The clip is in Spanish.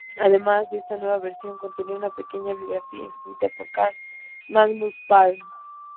Además, esta nueva versión contenía una pequeña biografía escrita por Carl Magnus Palm.